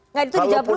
nah itu dijawab dulu